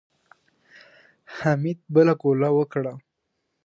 حميد بله ګوله وکړه.